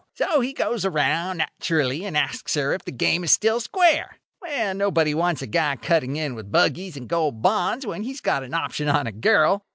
So he goes around, naturally, and asks her if the game is still square. Well, nobody wants a guy cutting in with buggies and gold bonds when he's got an option on a girl.